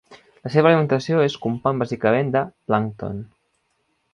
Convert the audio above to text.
La seva alimentació es compon bàsicament de plàncton.